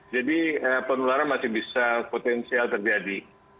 jadi penularan masih bisa potensial terjadi